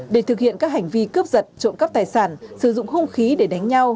để thực hiện các hành vi cướp giật trộm cắp tài sản sử dụng hung khí để đánh nhau